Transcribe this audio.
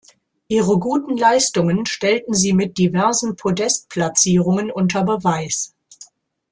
Ihre guten Leistungen stellten sie mit diversen Podestplatzierungen unter Beweis.